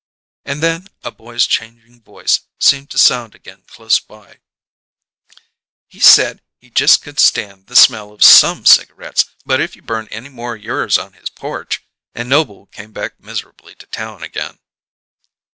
And then a boy's changing voice seemed to sound again close by: "He said he just could stand the smell of some cigarettes, but if you burned any more o' yours on his porch " And Noble came back miserably to town again.